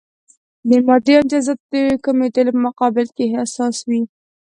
د مادي امتیازاتو د کمېدلو په مقابل کې حساس وي.